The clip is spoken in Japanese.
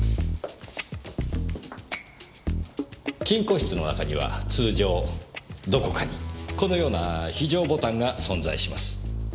金庫室の中には通常どこかにこのような非常ボタンが存在します。